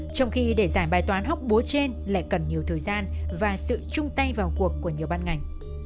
trong khi để giải bài toán hóc búa trên lại cần nhiều thời gian và sự chung tay vào cuộc của nhiều ban ngành